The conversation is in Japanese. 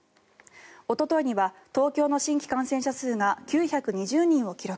おとといには東京の新規感染者数が９２０人を記録。